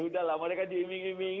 sudahlah mereka diiming iming